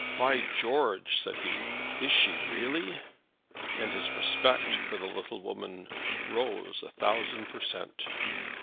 "By George," said he, "is she really?" And his respect for the little woman rose a thousand per cent.